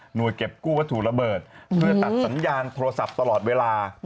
โดยเก็บกู้วัตถุระเบิดเพื่อตัดสัญญาณโทรศัพท์ตลอดเวลา